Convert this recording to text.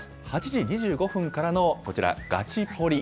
８時２５分からのこちら、ガチポリ！